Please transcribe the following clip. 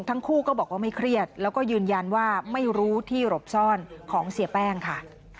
ทั้งคู่ก็บอกว่าไม่เครียดแล้วก็ยืนยันว่าไม่รู้ที่หลบซ่อนของเสียแป้งค่ะ